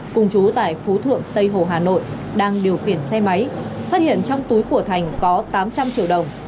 cùng chú tại phú thượng tây hồ hà nội đang điều khiển xe máy phát hiện trong túi của thành có tám trăm linh triệu đồng